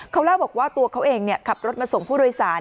เขาเล่าบอกว่าตัวเขาเองขับรถมาส่งผู้โดยสาร